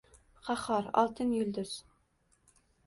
Qahhor, Oltin yulduz